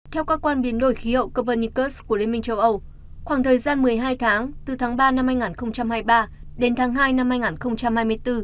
theo cơ quan biến đổi khí hậu copennicus của liên minh châu âu khoảng thời gian một mươi hai tháng từ tháng ba năm hai nghìn hai mươi ba đến tháng hai năm hai nghìn hai mươi bốn